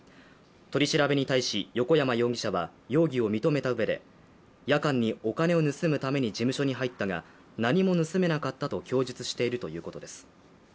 取り調べに対し横山容疑者は容疑を認めたうえで夜間にお金を盗むために事務所に入ったが何も盗めなかったと供述しているということです。